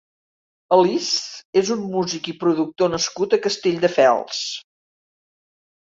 Alizzz és un músic i productor nascut a Castelldefels.